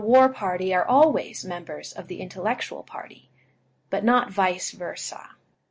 war party are always members of the intellectual party, but not vice versa.